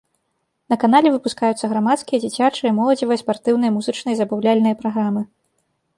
На канале выпускаюцца грамадскія, дзіцячыя і моладзевыя, спартыўныя, музычныя і забаўляльныя праграмы.